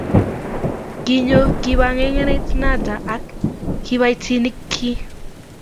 kiinyo kibagengeit nata ak kibaitinik kyi